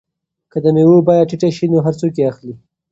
که د مېوو بیه ټیټه شي نو هر څوک یې اخلي.